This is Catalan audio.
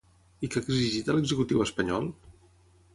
I què ha exigit a l'executiu espanyol?